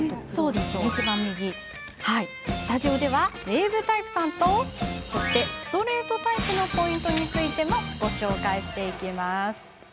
スタジオでは、ウエーブタイプとストレートタイプのポイントについてもご紹介します。